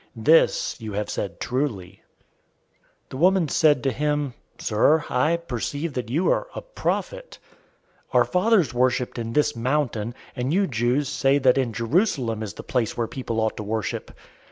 This you have said truly." 004:019 The woman said to him, "Sir, I perceive that you are a prophet. 004:020 Our fathers worshiped in this mountain, and you Jews say that in Jerusalem is the place where people ought to worship."